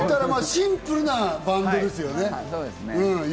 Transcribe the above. シンプルなバンドですよね。